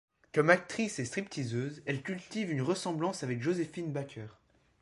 Comme actrice et stripteaseuse, elle cultive une ressemblance avec Joséphine Baker.